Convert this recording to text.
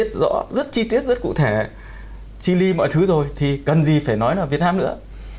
nói rất cụ thể chi li mọi thứ rồi thì cần gì phải nói nó việt nam nữa